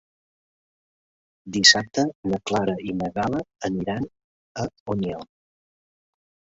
Dissabte na Clara i na Gal·la aniran a Onil.